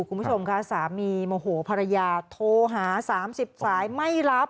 คุณผู้ชมค่ะสามีโมโหภรรยาโทรหา๓๐สายไม่รับ